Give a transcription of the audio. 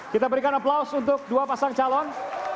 kita berikan aplaus untuk dua pasang calon